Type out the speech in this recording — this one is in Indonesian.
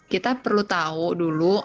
kita perlu tahu dulu